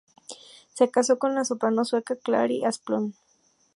Se casó con la soprano sueca Clary Asplund.